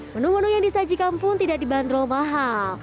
menu menu yang disajikan pun tidak dibanderol mahal